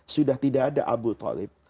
sudah tidak ada abu talib